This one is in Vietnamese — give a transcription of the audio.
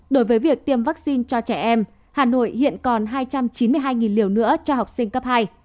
đối với việc tiêm vaccine cho trẻ em hà nội hiện còn hai trăm chín mươi hai liều nữa cho học sinh cấp hai